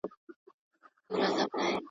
دومره مظلوم یم چي مي آه له ستوني نه راوزي.